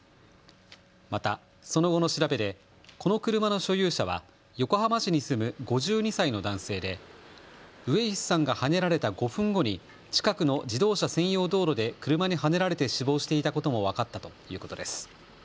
またその後の調べでこの車の所有者は横浜市に住む５２歳の男性で上石さんがはねられた５分後に近くの自動車専用道路で車にはねられて死亡していたことも分かったということです。